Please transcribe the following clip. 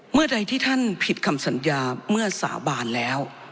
เมื่อใดที่ท่านผิดคำสัญญาเมื่อสาบานแล้ว